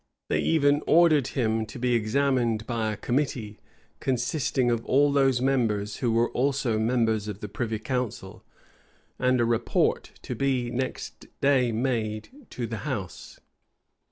They even ordered him to be examined by a committee, consisting of all those members who were also members of the privy council; and a report to be next day made to the house.